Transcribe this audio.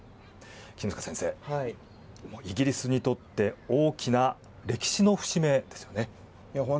君塚先生、イギリスにとって大きな歴史の節目ですね。